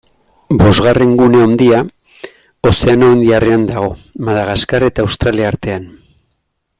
Bosgarren gune handia Ozeano Indiarrean dago, Madagaskar eta Australia artean.